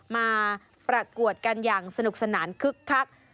มาประกวดกันอย่างสนุกสนานคึกคัก